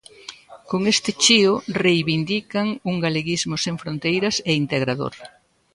Con este chío reivindican un galeguismo sen froiteiras e integrador.